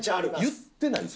言ってない？